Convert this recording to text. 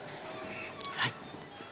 はい。